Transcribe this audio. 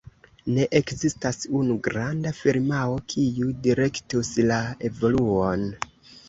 Ne ekzistas unu granda firmao, kiu direktus la evoluon.